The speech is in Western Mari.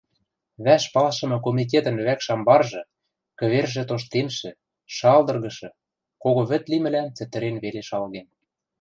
Вӓш палшымы комитетӹн вӓкш амбаржы, кӹвержӹ тоштемшӹ, шалдыргышы, кого вӹд лимӹлӓн цӹтӹрен веле шалген.